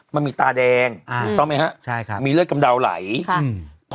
มันมีตาแดงอ่าเขาออมไหมฮะใช่ค่ะมีเลื่อดกำดาวไหลค่ะ